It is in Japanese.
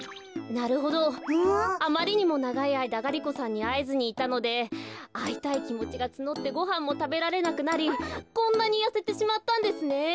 なるほどあまりにもながいあいだガリ子さんにあえずにいたのであいたいきもちがつのってごはんもたべられなくなりこんなにやせてしまったんですね。